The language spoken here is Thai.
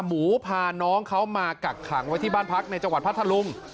หมูพาน้องเขามากักขังไว้ที่บ้านพักในจังหวัดพัทธลุง